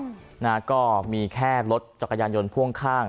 นะฮะก็มีแค่รถจักรยานยนต์พ่วงข้าง